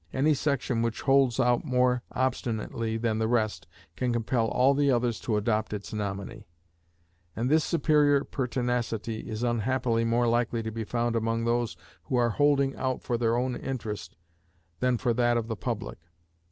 Any section which holds out more obstinately than the rest can compel all the others to adopt its nominee; and this superior pertinacity is unhappily more likely to be found among those who are holding out for their own interest than for that of the public.